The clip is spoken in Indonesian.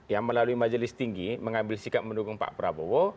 yang melalui majelis tinggi mengambil sikap mendukung pak prabowo